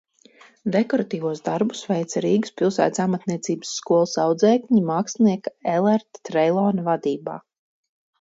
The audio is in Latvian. Dekoratīvos darbus veica Rīgas pilsētas amatniecības skolas audzēkņi mākslinieka Elerta Treilona vadībā.